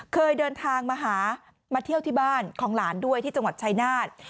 เคยเดินทางมาหามาเที่ยวที่บ้านของหลานด้วยที่จังหวัดชายนาฏ